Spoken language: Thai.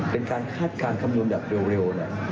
เป็นคาดการณ์คำนวณแบบเร็ว